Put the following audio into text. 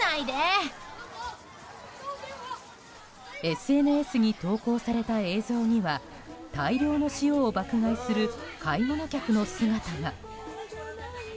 ＳＮＳに投稿された映像には大量の塩を爆買いする買い物客の姿が。